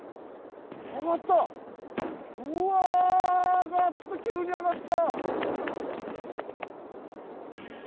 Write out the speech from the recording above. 上がった急に上がった！